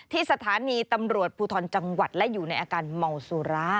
ที่สถานีตำรวจภูทรจังหวัดและอยู่ในอาการเมาสุรา